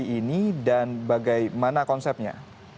ini dan bagaimana konsepnya